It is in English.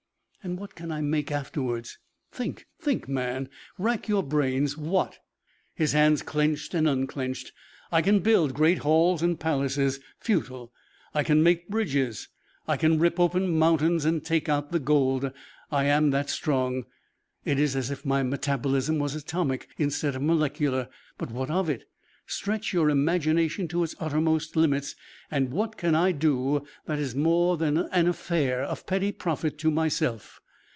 And what can I make afterwards? Think. Think, man! Rack your brains! What?" His hands clenched and unclenched. "I can build great halls and palaces. Futile! I can make bridges. I can rip open mountains and take out the gold. I am that strong. It is as if my metabolism was atomic instead of molecular. But what of it? Stretch your imagination to its uttermost limits and what can I do that is more than an affair of petty profit to myself?